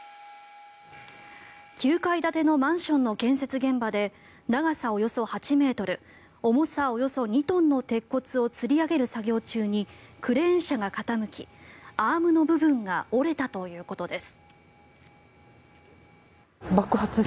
９階建てのマンションの建設現場で長さおよそ８ｍ重さおよそ２トンの鉄骨をつり上げる作業中にクレーン車が傾きアームの部分が折れたということです。